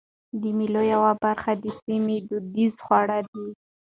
د مېلو یوه برخه د سیمي دودیز خواړه دي.